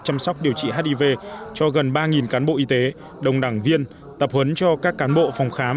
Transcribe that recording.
chăm sóc điều trị hiv cho gần ba cán bộ y tế đồng đảng viên tập huấn cho các cán bộ phòng khám